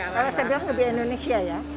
kalau saya bilang lebih indonesia ya